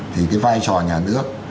thì cái vai trò nhà nước